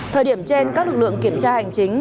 thời điểm trên các lực lượng kiểm tra hành chính